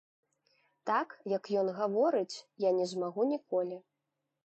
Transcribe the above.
Так, як ён гаворыць, я не змагу ніколі.